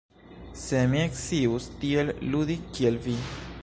Se mi scius tiel ludi, kiel Vi!